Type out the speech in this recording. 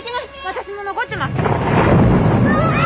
私も残ってます！